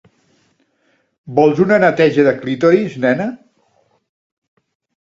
¿Vols una neteja de clítoris, nena?